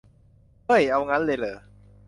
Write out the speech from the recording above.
เฮ้ย เอางั้นเลยเหรอ !